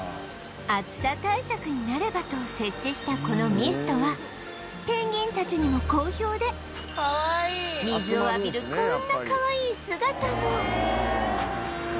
暑さ対策になればと設置したこのミストはペンギンたちにも好評で水を浴びるこんなかわいい姿も